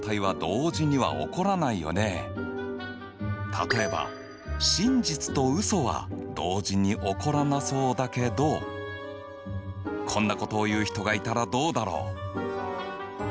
例えば真実とウソは同時に起こらなそうだけどこんなことを言う人がいたらどうだろう？